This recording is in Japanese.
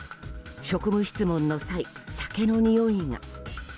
職務質問の際、酒のにおいが。